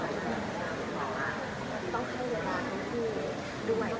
ต้องใช้เวลาที่รู้ใหม่